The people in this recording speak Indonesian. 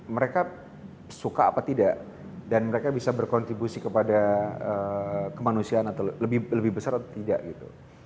mereka suka apa tidak dan mereka bisa berkontribusi kepada kemanusiaan atau lebih besar atau tidak gitu